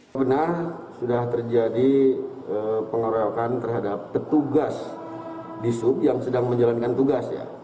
sebenarnya sudah terjadi pengeroyokan terhadap petugas di sub yang sedang menjalankan tugas ya